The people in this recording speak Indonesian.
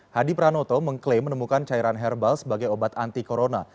hadi pranoto mengklaim menemukan cairan herbal sebagai obat anti corona